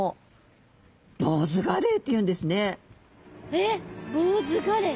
えっボウズガレイ。